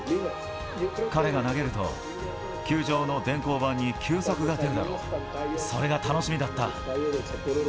彼が投げると、球場の電光板に球速が出るだろ、それが楽しみだった。